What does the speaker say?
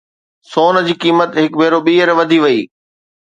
سون جي قيمت هڪ ڀيرو ٻيهر وڌي وئي